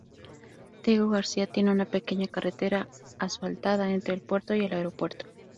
Diego García tiene una pequeña carretera asfaltada entre el puerto y el aeropuerto.